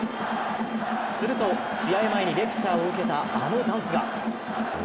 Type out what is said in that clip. すると、試合前にレクチャーを受けたあのダンスが！